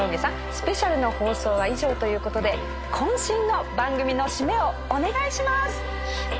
スペシャルの放送は以上という事で渾身の番組の締めをお願いします！